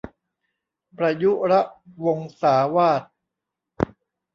ประยุรวงศาวาส